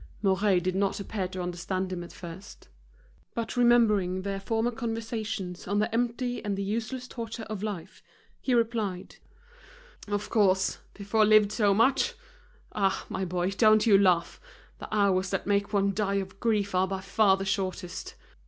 Mouret did not appear to understand him at first. But remembered their former conversations on the empty and the useless torture of life, he replied: "Of course, before lived so much. Ah! my boy, don't you laugh, the hours that make one die of grief are by far the shortest."